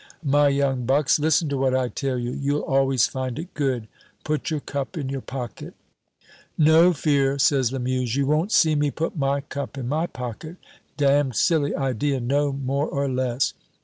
My young bucks, listen to what I tell you; you'll always find it good put your cup in your pocket." "No fear," says Lamuse, "you won't see me put my cup in my pocket; damned silly idea, no more or less.